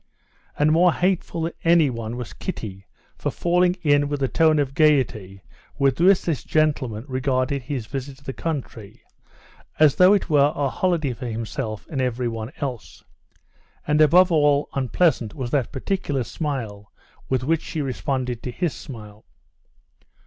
And more hateful than anyone was Kitty for falling in with the tone of gaiety with which this gentleman regarded his visit in the country, as though it were a holiday for himself and everyone else. And, above all, unpleasant was that particular smile with which she responded to his smile.